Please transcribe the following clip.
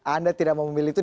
anda tidak mau memilih itu